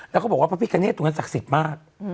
แล้วเขาบอกว่าพระพิกาเนตตรงนั้นศักดิ์สิทธิ์มาก